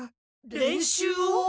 練習を？